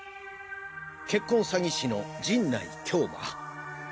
結婚詐欺師の神内恭麻。